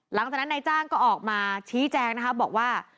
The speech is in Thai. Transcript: หลังจากนั้นนายจ้างก็ออกมาชี้แจงนะคะบอกว่า